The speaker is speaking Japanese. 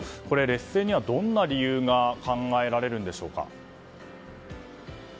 劣勢には、どんな理由が考えられるんでしょうか。